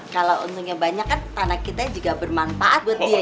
kalau untungnya banyak kan tanah kita juga bermanfaat buat dia